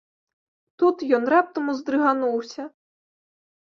Тут ён раптам уздрыгануўся.